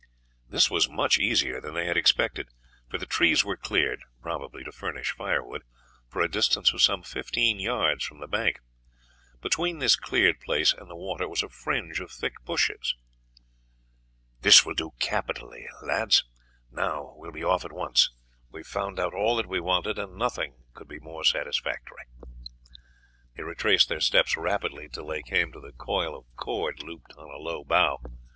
This was much easier than they had expected, for the trees were cleared, probably to furnish firewood, for a distance of some fifteen yards from the bank; between this cleared place and the water was a fringe of thick bushes. "This will do capitally, lads. Now we will be off at once; we have found out all that we wanted, and nothing could be more satisfactory." They retraced their steps rapidly till they came to the coil of cord looped on a low bough.